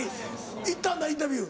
行ったんだインタビュー。